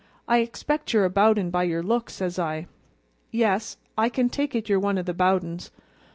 'I expect you're a Bowden by your looks,' says I. 'Yes, I can take it you're one o' the Bowdens.'